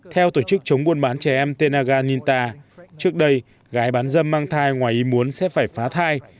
theo tổ chức chống buôn bán trẻ em tạ nita trước đây gái bán dâm mang thai ngoài ý muốn sẽ phải phá thai